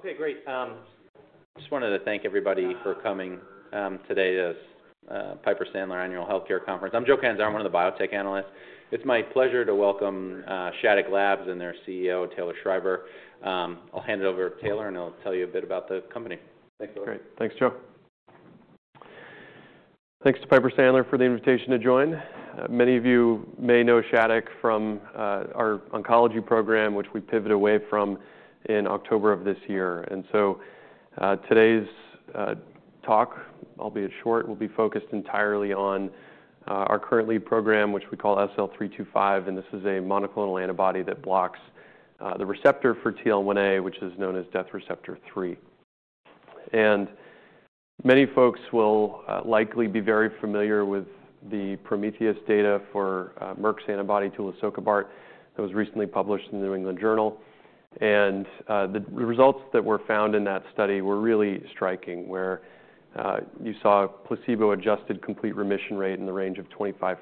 Okay, great. Just wanted to thank everybody for coming today to this Piper Sandler Annual Healthcare Conference. I'm Joe Catanzaro. I'm one of the biotech analysts. It's my pleasure to welcome Shattuck Labs and their CEO, Taylor Schreiber. I'll hand it over to Taylor, and he'll tell you a bit about the company. That's great. Thanks, Joe. Thanks to Piper Sandler for the invitation to join. Many of you may know Shattuck from our oncology program, which we pivot away from in October of this year. So today's talk, albeit short, will be focused entirely on our current lead program, which we call SL325. This is a monoclonal antibody that blocks the receptor for TL1A, which is known as death receptor 3. Many folks will likely be very familiar with the Prometheus data for Merck's antibody tulisokibart that was recently published in the New England Journal. The results that were found in that study were really striking, where you saw a placebo-adjusted complete remission rate in the range of 25%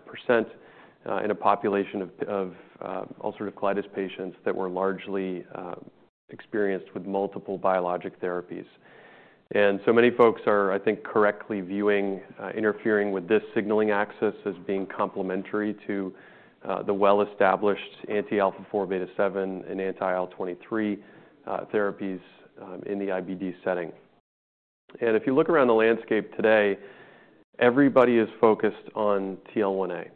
in a population of ulcerative colitis patients that were largely experienced with multiple biologic therapies. And so many folks are, I think, correctly viewing interfering with this signaling axis as being complementary to the well-established anti-alpha-4 beta-7 and anti-IL-23 therapies in the IBD setting. And if you look around the landscape today, everybody is focused on TL1A.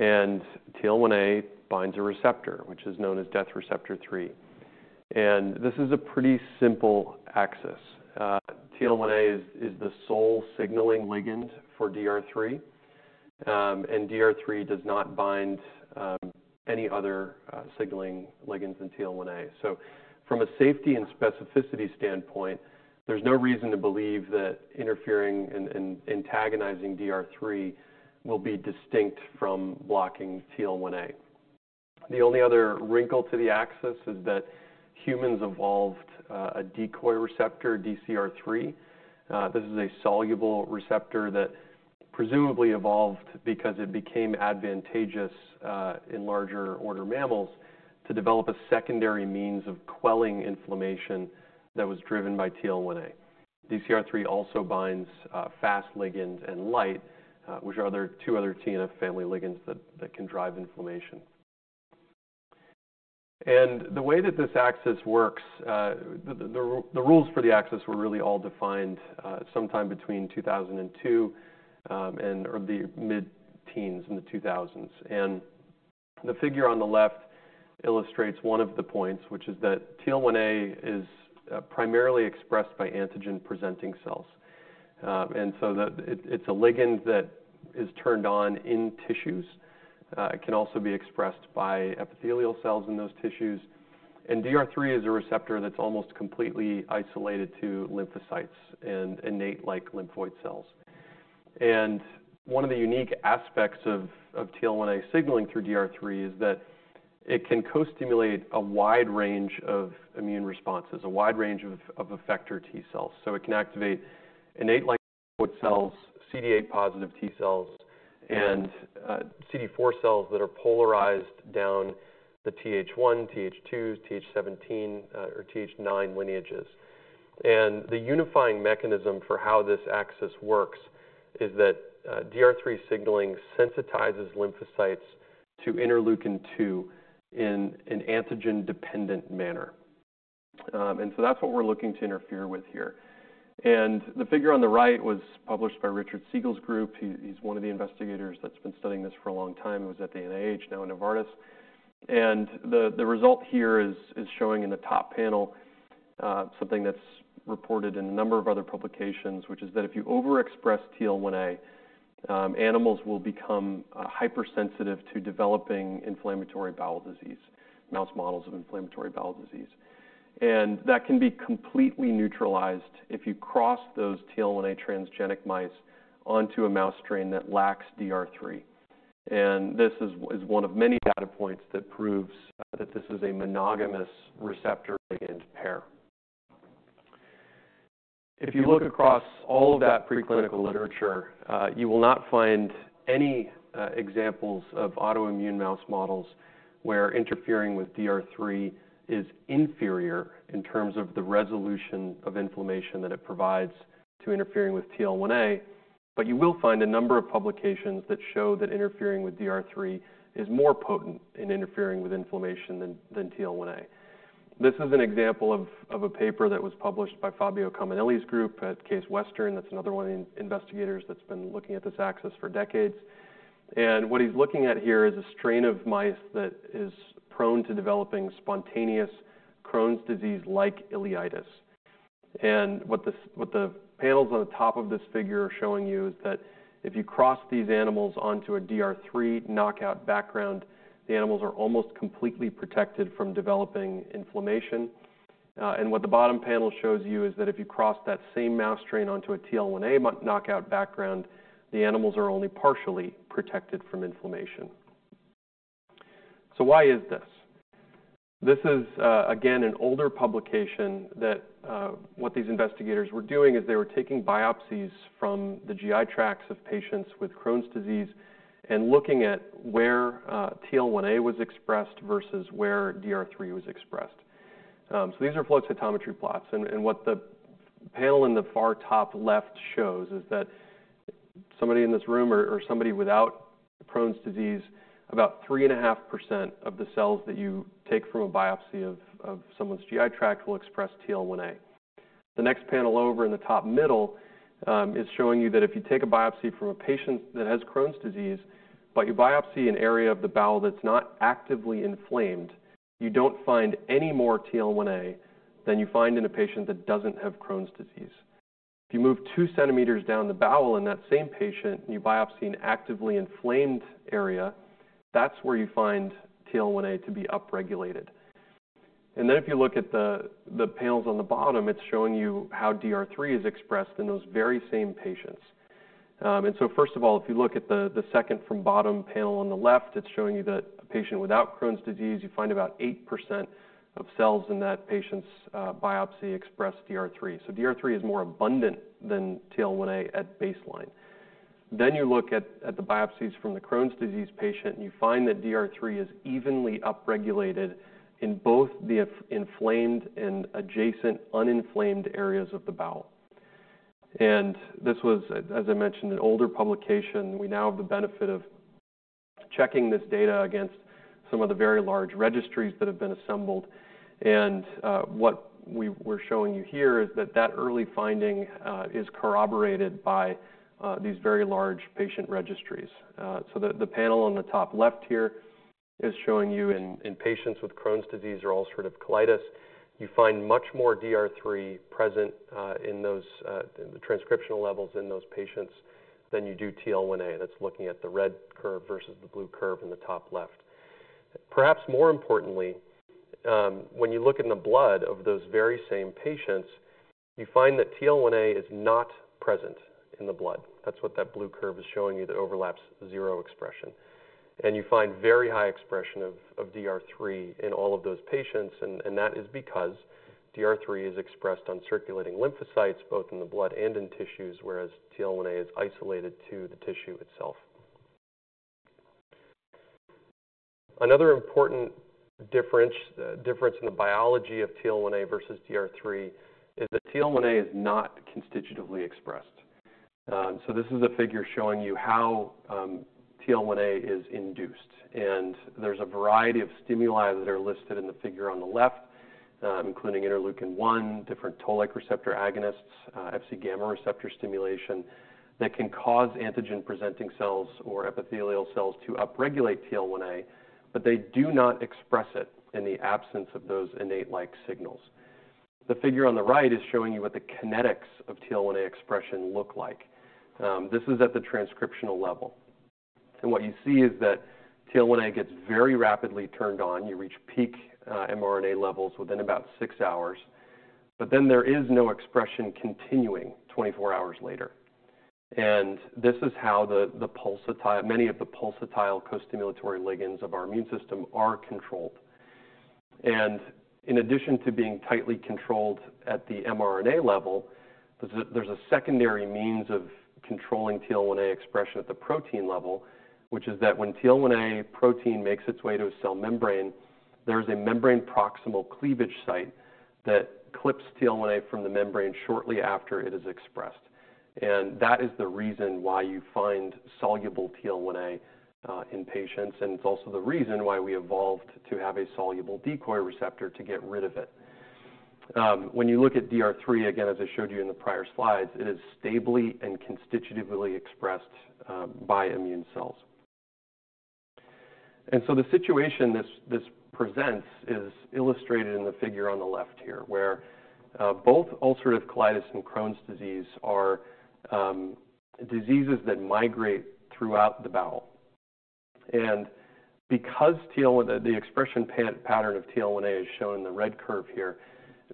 And TL1A binds a receptor, which is known as death receptor 3. And this is a pretty simple axis. TL1A is the sole signaling ligand for DR3. And DR3 does not bind any other signaling ligands than TL1A. So from a safety and specificity standpoint, there's no reason to believe that interfering and antagonizing DR3 will be distinct from blocking TL1A. The only other wrinkle to the axis is that humans evolved a decoy receptor, DcR3. This is a soluble receptor that presumably evolved because it became advantageous in larger order mammals to develop a secondary means of quelling inflammation that was driven by TL1A. DcR3 also binds Fas ligand and LIGHT, which are the other two TNF family ligands that can drive inflammation. The way that this axis works, the rules for the axis were really all defined sometime between 2002 and the mid-teens in the 2000s. The figure on the left illustrates one of the points, which is that TL1A is primarily expressed by antigen-presenting cells, and so that it is a ligand that is turned on in tissues. It can also be expressed by epithelial cells in those tissues. DR3 is a receptor that is almost completely isolated to lymphocytes and innate-like lymphoid cells. One of the unique aspects of TL1A signaling through DR3 is that it can co-stimulate a wide range of immune responses, a wide range of effector T cells. So it can activate innate-like lymphoid cells, CD8-positive T cells, and CD4 cells that are polarized down the Th1, Th2, Th17, or Th9 lineages. And the unifying mechanism for how this axis works is that DR3 signaling sensitizes lymphocytes to interleukin-2 in an antigen-dependent manner, and so that's what we're looking to interfere with here. And the figure on the right was published by Richard Siegel's group. He's one of the investigators that's been studying this for a long time. He was at the NIH, now at Novartis. And the result here is showing in the top panel something that's reported in a number of other publications, which is that if you overexpress TL1A, animals will become hypersensitive to developing inflammatory bowel disease, mouse models of inflammatory bowel disease. That can be completely neutralized if you cross those TL1A transgenic mice onto a mouse strain that lacks DR3. This is one of many data points that proves that this is a monogamous receptor-ligand pair. If you look across all of that preclinical literature, you will not find any examples of autoimmune mouse models where interfering with DR3 is inferior in terms of the resolution of inflammation that it provides to interfering with TL1A. You will find a number of publications that show that interfering with DR3 is more potent in interfering with inflammation than TL1A. This is an example of a paper that was published by Fabio Cominelli's group at Case Western. That's another one of the investigators that's been looking at this axis for decades. What he's looking at here is a strain of mice that is prone to developing spontaneous Crohn's disease-like ileitis. What the panels on the top of this figure are showing you is that if you cross these animals onto a DR3 knockout background, the animals are almost completely protected from developing inflammation. What the bottom panel shows you is that if you cross that same mouse strain onto a TL1A knockout background, the animals are only partially protected from inflammation. Why is this? This is, again, an older publication. What these investigators were doing is they were taking biopsies from the GI tracts of patients with Crohn's disease and looking at where TL1A was expressed versus where DR3 was expressed. These are flow cytometry plots. And what the panel in the far top left shows is that somebody in this room or somebody without Crohn's disease, about 3.5% of the cells that you take from a biopsy of someone's GI tract will express TL1A. The next panel over in the top middle is showing you that if you take a biopsy from a patient that has Crohn's disease, but you biopsy an area of the bowel that's not actively inflamed, you don't find any more TL1A than you find in a patient that doesn't have Crohn's disease. If you move 2 centimeters down the bowel in that same patient and you biopsy an actively inflamed area, that's where you find TL1A to be upregulated. And then if you look at the panels on the bottom, it's showing you how DR3 is expressed in those very same patients. And so first of all, if you look at the second from bottom panel on the left, it's showing you that a patient without Crohn's disease, you find about 8% of cells in that patient's biopsy express DR3. So DR3 is more abundant than TL1A at baseline. Then you look at the biopsies from the Crohn's disease patient, and you find that DR3 is evenly upregulated in both the inflamed and adjacent uninflamed areas of the bowel. And this was, as I mentioned, an older publication. We now have the benefit of checking this data against some of the very large registries that have been assembled. And what we were showing you here is that that early finding is corroborated by these very large patient registries. So the panel on the top left here is showing you in patients with Crohn's disease or ulcerative colitis, you find much more DR3 present in the transcriptional levels in those patients than you do TL1A. That's looking at the red curve versus the blue curve in the top left. Perhaps more importantly, when you look in the blood of those very same patients, you find that TL1A is not present in the blood. That's what that blue curve is showing you that overlaps zero expression. And you find very high expression of DR3 in all of those patients. And that is because DR3 is expressed on circulating lymphocytes, both in the blood and in tissues, whereas TL1A is isolated to the tissue itself. Another important difference in the biology of TL1A versus DR3 is that TL1A is not constitutively expressed. So this is a figure showing you how TL1A is induced. And there's a variety of stimuli that are listed in the figure on the left, including interleukin-1, different toll-like receptor agonists, Fc gamma receptor stimulation that can cause antigen-presenting cells or epithelial cells to upregulate TL1A, but they do not express it in the absence of those innate-like signals. The figure on the right is showing you what the kinetics of TL1A expression look like. This is at the transcriptional level. And what you see is that TL1A gets very rapidly turned on. You reach peak mRNA levels within about six hours. But then there is no expression continuing 24 hours later. And this is how many of the pulsatile co-stimulatory ligands of our immune system are controlled. In addition to being tightly controlled at the mRNA level, there's a secondary means of controlling TL1A expression at the protein level, which is that when TL1A protein makes its way to a cell membrane, there's a membrane proximal cleavage site that clips TL1A from the membrane shortly after it is expressed. That is the reason why you find soluble TL1A in patients. It's also the reason why we evolved to have a soluble decoy receptor to get rid of it. When you look at DR3, again, as I showed you in the prior slides, it is stably and constitutively expressed by immune cells. The situation this presents is illustrated in the figure on the left here, where both ulcerative colitis and Crohn's disease are diseases that migrate throughout the bowel. Because TL1A, the expression pattern of TL1A is shown in the red curve here,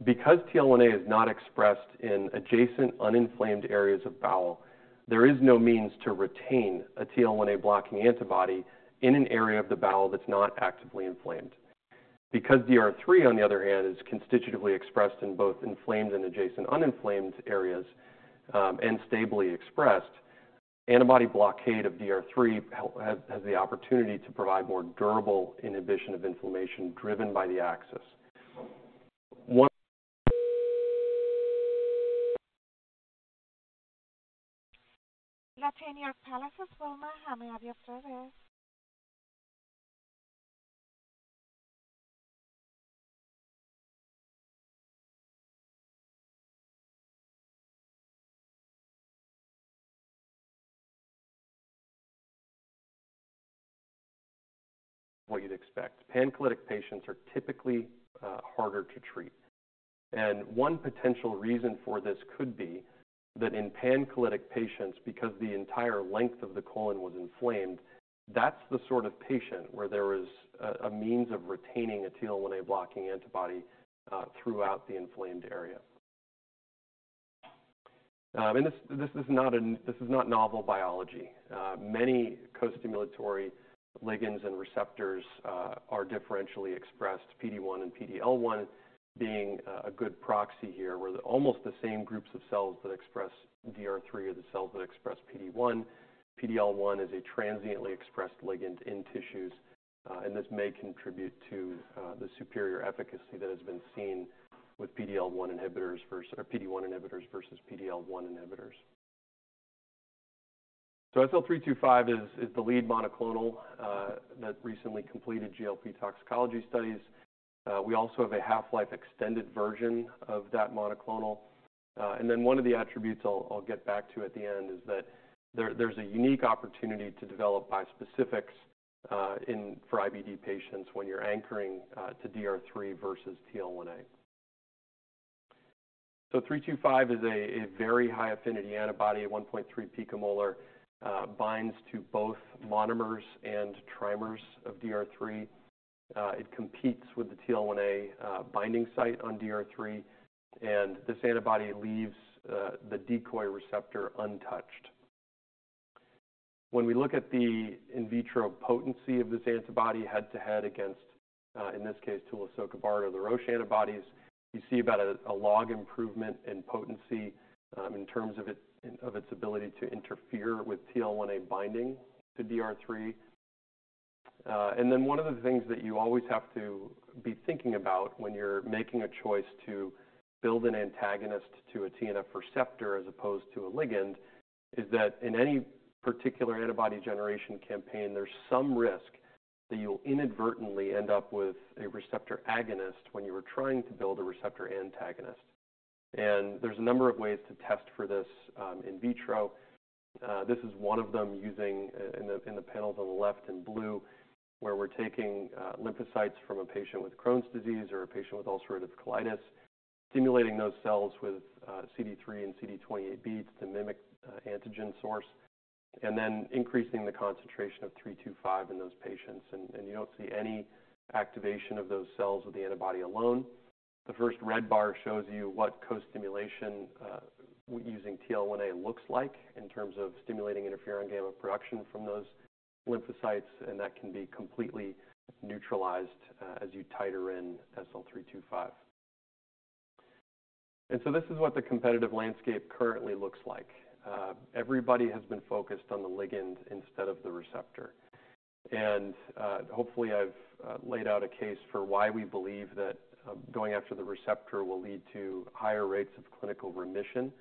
because TL1A is not expressed in adjacent uninflamed areas of bowel, there is no means to retain a TL1A blocking antibody in an area of the bowel that's not actively inflamed. Because DR3, on the other hand, is constitutively expressed in both inflamed and adjacent uninflamed areas, and stably expressed, antibody blockade of DR3 has the opportunity to provide more durable inhibition of inflammation driven by the axis. One. What you'd expect. Pancolitic patients are typically harder to treat, and one potential reason for this could be that in pancolitic patients, because the entire length of the colon was inflamed, that's the sort of patient where there was a means of retaining a TL1A blocking antibody throughout the inflamed area, and this is not novel biology. Many co-stimulatory ligands and receptors are differentially expressed, PD-1 and PD-L1 being a good proxy here where almost the same groups of cells that express DR3 are the cells that express PD-1. PD-L1 is a transiently expressed ligand in tissues, and this may contribute to the superior efficacy that has been seen with PD-L1 inhibitors versus PD-1 inhibitors, so SL325 is the lead monoclonal that recently completed GLP toxicology studies. We also have a half-life extended version of that monoclonal. And then one of the attributes I'll get back to at the end is that there's a unique opportunity to develop bispecifics in for IBD patients when you're anchoring to DR3 versus TL1A. So 325 is a very high affinity antibody, 1.3 picomolar, binds to both monomers and trimers of DR3. It competes with the TL1A binding site on DR3. And this antibody leaves the decoy receptor untouched. When we look at the in vitro potency of this antibody head-to-head against, in this case, tulisokibart or the Roche antibodies, you see about a log improvement in potency, in terms of its ability to interfere with TL1A binding to DR3. And then one of the things that you always have to be thinking about when you're making a choice to build an antagonist to a TNF receptor as opposed to a ligand is that in any particular antibody generation campaign, there's some risk that you'll inadvertently end up with a receptor agonist when you were trying to build a receptor antagonist. And there's a number of ways to test for this, in vitro. This is one of them using in the panels on the left in blue, where we're taking lymphocytes from a patient with Crohn's disease or a patient with ulcerative colitis, stimulating those cells with CD3 and CD28 beads to mimic antigen source, and then increasing the concentration of 325 in those patients. And you don't see any activation of those cells with the antibody alone. The first red bar shows you what co-stimulation, using TL1A looks like in terms of stimulating interferon gamma production from those lymphocytes. And that can be completely neutralized, as you titrate in SL325. And so this is what the competitive landscape currently looks like. Everybody has been focused on the ligand instead of the receptor. And, hopefully I've laid out a case for why we believe that, going after the receptor will lead to higher rates of clinical remission,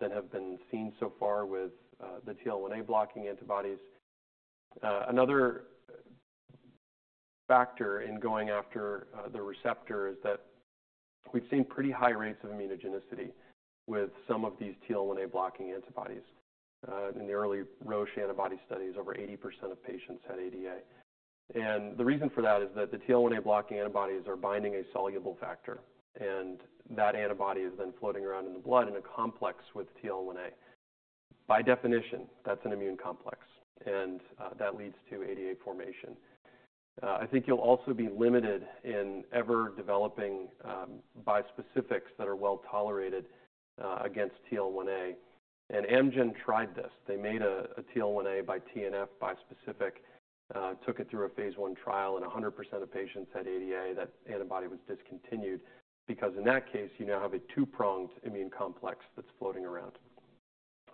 than have been seen so far with the TL1A blocking antibodies. Another factor in going after the receptor is that we've seen pretty high rates of immunogenicity with some of these TL1A blocking antibodies. In the early Roche antibody studies, over 80% of patients had ADA. And the reason for that is that the TL1A blocking antibodies are binding a soluble factor. And that antibody is then floating around in the blood in a complex with TL1A. By definition, that's an immune complex. And that leads to ADA formation. I think you'll also be limited in ever developing bispecifics that are well tolerated against TL1A. And Amgen tried this. They made a TL1A by TNF bispecific, took it through a phase I trial, and 100% of patients had ADA. That antibody was discontinued because in that case, you now have a two-pronged immune complex that's floating around.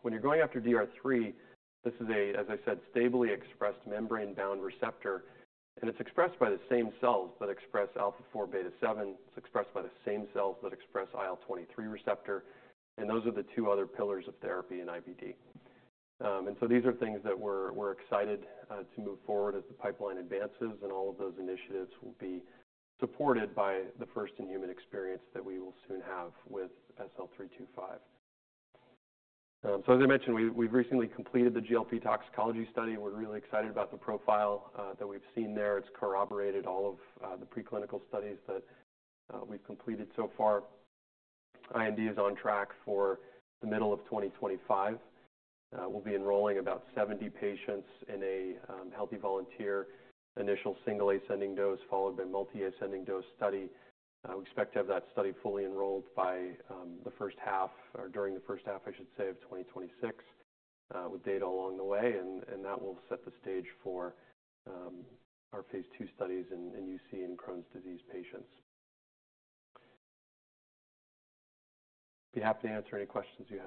When you're going after DR3, this is a, as I said, stably expressed membrane-bound receptor. And it's expressed by the same cells that express alpha-4 beta-7. It's expressed by the same cells that express IL-23 receptor. And those are the two other pillars of therapy in IBD. And so these are things that we're excited to move forward as the pipeline advances, and all of those initiatives will be supported by the first in human experience that we will soon have with SL325. So as I mentioned, we've recently completed the GLP toxicology study. We're really excited about the profile that we've seen there. It's corroborated all of the preclinical studies that we've completed so far. IND is on track for the middle of 2025. We'll be enrolling about 70 patients in a healthy volunteer initial single ascending dose followed by multi-ascending dose study. We expect to have that study fully enrolled by the first half or during the first half, I should say, of 2026, with data along the way. And that will set the stage for our phase II studies in UC and Crohn's disease patients. I'd be happy to answer any questions you have.